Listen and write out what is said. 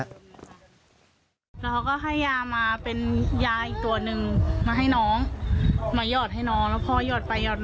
เราก็ให้ยามาเป็นยาอีกตัวหนึ่งมาให้น้อง